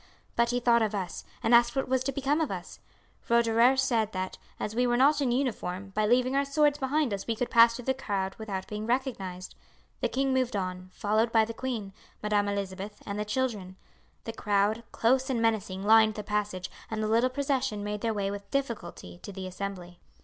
But he thought of us, and asked what was to become of us. Roederer said that, as we were not in uniform, by leaving our swords behind us we could pass through the crowd without being recognized. The king moved on, followed by the queen, Madam Elizabeth, and the children. The crowd, close and menacing, lined the passage, and the little procession made their way with difficulty to the Assembly.